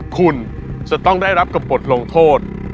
คุณจะต้องได้รับกับบทลงโทษ